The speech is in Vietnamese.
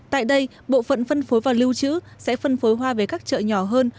tại đây bộ phận phân phối và lưu trữ sẽ phân phối hoa về các chợ nhỏ hơn